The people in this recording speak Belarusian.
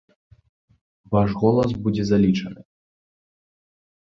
Ваш голас будзе залічаны.